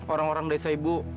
orang orang desa ibu